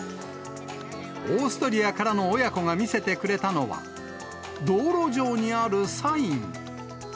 オーストリアからの親子が見せてくれたのは、道路上にあるサイン。